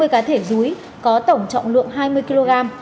hai mươi cá thể rúi có tổng trọng lượng hai mươi kg